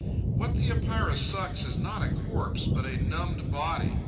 What the Epeira sucks is not a corpse, but a numbed body.